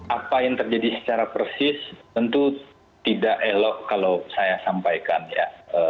apa yang terjadi secara persis tentu tidak elok kalau saya sampaikan ya